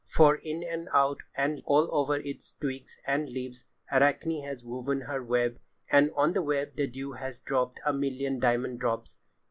For in and out, and all over its twigs and leaves, Arachne has woven her web, and on the web the dew has dropped a million diamond drops.